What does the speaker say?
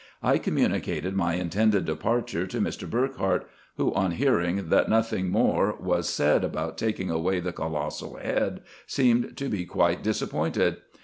I communicated my intended de parture to Mr. Burckhardt, who, on hearing that nothing more was !K) RESEARCHES AND OPERATIONS said about taking away the colossal head, seemed to be quite disappointed.